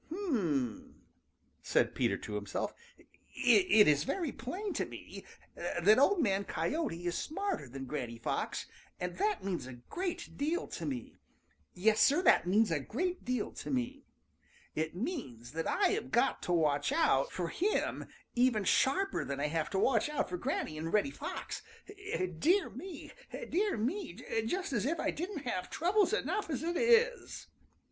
"H m m," said Peter to himself, "it is very plain to me that Old Man Coyote is smarter than Granny Fox, and that means a great deal to me. Y es, Sir, that means a great deal to me. It means that I have got to watch out for him even sharper than I have to watch out for Granny and Reddy Fox. Dear me, dear me, just as if I didn't have troubles enough as it is!"